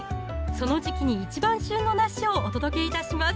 その時期に一番旬の梨をお届けいたします